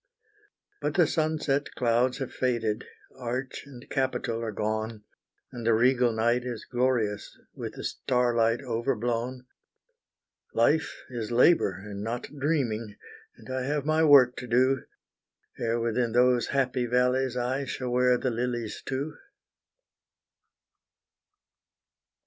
But the sunset clouds have faded, arch and capital are gone, And the regal night is glorious, with the starlight overblown; Life is labor and not dreaming, and I have my work to do, Ere within those happy valleys I shall wear the lilies too.